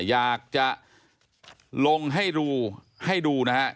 อยากจะลงให้รู้ให้ดูนะครับ